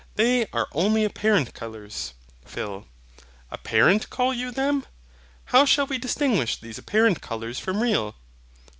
They are only apparent colours. PHIL. APPARENT call you them? how shall we distinguish these apparent colours from real?